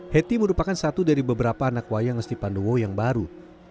heti merupakan satu dari beberapa anak wayang ngesti pandowo yang baru